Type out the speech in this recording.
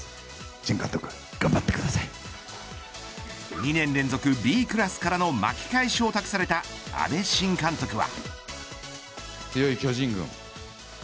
２年連続Ｂクラスからの巻き返しを託された阿部新監督は。